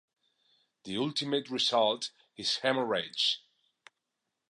The ultimate result is hemorrhage.